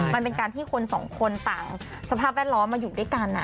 มันเป็นการที่คนสองคนต่างสภาพแวดล้อมมาอยู่ด้วยกัน